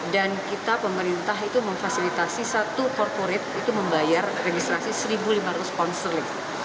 dan kita pemerintah itu memfasilitasi satu corporate itu membayar registrasi satu lima ratus pounds terlihat